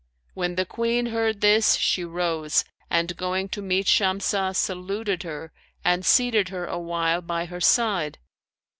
When the Queen heard this, she rose and going to meet Shamsah, saluted her and seated her awhile by her side.